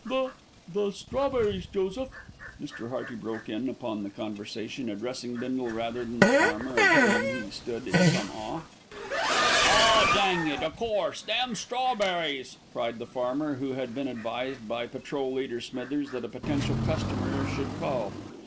"The the strawberries, Joseph," Mr. Hearty broke in upon the conversation, addressing Bindle rather than the farmer, of whom he stood in some awe. "Ah! dang it, o' course, them strawberries," cried the farmer, who had been advised by Patrol leader Smithers that a potential customer would call.